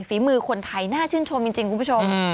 ฝีมือคนไทยน่าชื่นชมจริงคุณผู้ชม